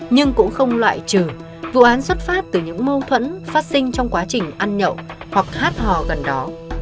nhưng cũng không loại trừ vụ án xuất phát từ những mâu thuẫn phát sinh trong quá trình ăn nhậu hoặc hát hò gần đó